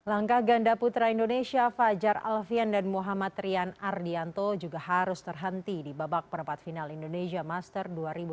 langkah ganda putra indonesia fajar alfian dan muhammad rian ardianto juga harus terhenti di babak perempat final indonesia master dua ribu dua puluh